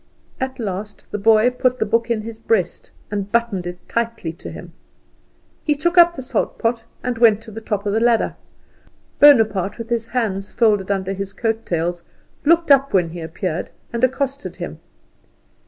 At last the boy put the book in his breast and buttoned it tightly to him. He took up the salt pot, and went to the top of the ladder. Bonaparte, with his hands folded under his coat tails, looked up when he appeared, and accosted him.